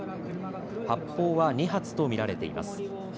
発砲は２発と見られています。